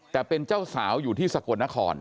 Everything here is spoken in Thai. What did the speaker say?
แต่เป็นเจ้าสาวอยู่ที่สกลนคร